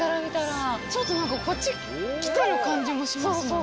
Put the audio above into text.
ちょっと何かこっち来てる感じもしますよね。